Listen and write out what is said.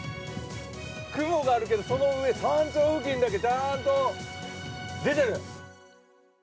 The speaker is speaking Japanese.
雲があるけど、そのうえ、山頂付近だけちゃんと出てる。